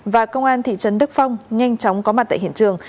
và công an thị trấn đức phong nhanh chóng có mặt tại hiện trường